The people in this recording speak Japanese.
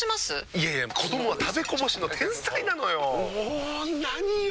いやいや子どもは食べこぼしの天才なのよ。も何よ